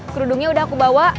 kerudungnya udah aku bawa